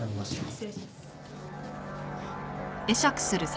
失礼します。